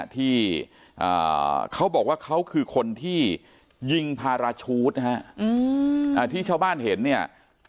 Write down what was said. ที่เขาบอกว่าเขาคือคนที่ยิงพาราชูทนะฮะที่ชาวบ้านเห็นเนี่ย